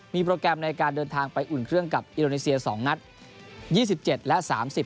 มีโปรแกรมในการเดินทางไปอุ่นเครื่องกับอิโรนิเซียสองนัดยี่สิบเจ็ดและสามสิบ